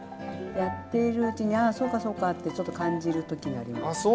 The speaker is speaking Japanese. やっているうちにああそうかそうかってちょっと感じる時があります。